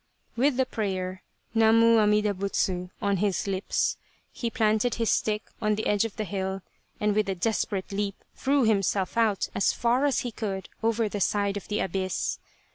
With the prayer " Namu Amida Butsu /" on his lips, he planted his stick on the edge of the hill, and with a desperate leap threw himself out as far as he could over the side of the abyss.